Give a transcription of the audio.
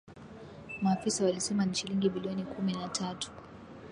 Maafisa walisema ni shilingi bilioni kumi na tatu